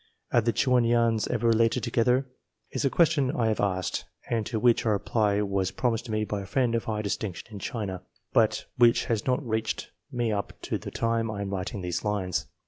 Are the Chuan Yuans ever related together ? is a question I have asked, and to which a reply was promised me by a friend of high distinction in China, but which has not reached me up to the time I am writing these lines.